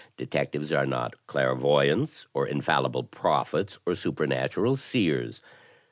Detectives are not clairvoyants, or infallible prophets, or supernatural seers.